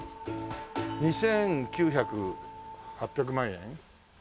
２９００８００万円？